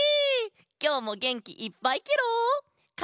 きょうもげんきいっぱいケロ！